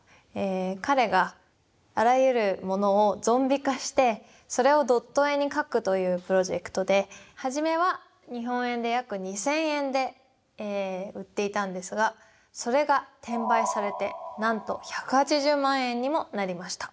彼があらゆるものをゾンビ化してそれをドット絵に描くというプロジェクトで初めは日本円で約２，０００円で売っていたんですがそれが転売されてなんと１８０万円にもなりました。